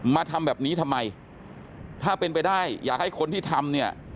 มาทำแบบนี้ทำไมถ้าเป็นไปได้อยากให้คนที่ทำเนี่ย